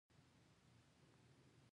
د تخت د ساتلو لپاره هره خبره بدلېږي.